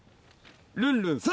ルンルン３！